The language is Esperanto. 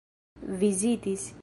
vizitis